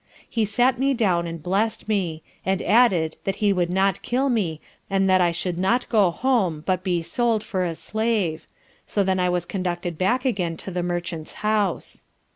He sat me down and blest me; and added that he would not kill me, and that I should not go home, but be sold, for a slave, so then I was conducted back again to the merchant's house.